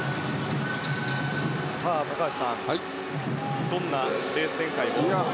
高橋さん、どんなレース展開になるでしょうか。